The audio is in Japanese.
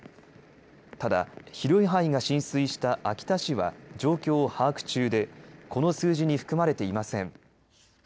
ただ、広い範囲が浸水した秋田市は状況を把握中でこの数字に含まれていません。